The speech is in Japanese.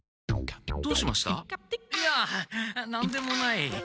いや何でもない。